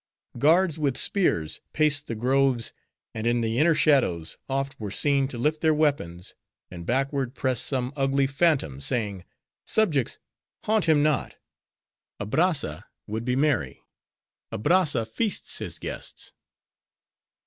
Guards, with spears, paced the groves, and in the inner shadows, oft were seen to lift their weapons, and backward press some ugly phantom, saying, "Subjects! haunt him not; Abrazza would be merry; Abrazza feasts his guests."